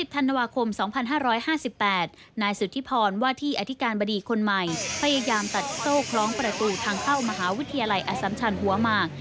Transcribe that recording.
ธันวาคม๒๕๕๘นายสุธิพรว่าที่อธิการบดีคนใหม่พยายามตัดโซ่คล้องประตูทางเข้ามหาวิทยาลัยอสัมชันหัวหมาก